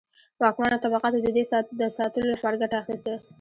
واکمنو طبقاتو د دې د ساتلو لپاره ګټه اخیسته.